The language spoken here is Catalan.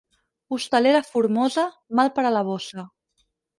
Hostalera formosa, mal per a la bossa.